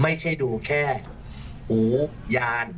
ไม่ใช่ดูแค่หูยาน